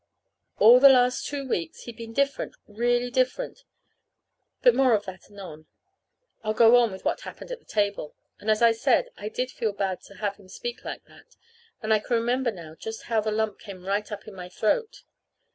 All the last two weeks he'd been different, really different. But more of that anon. I'll go on with what happened at the table. And, as I said, I did feel bad to have him speak like that. And I can remember now just how the lump came right up in my throat.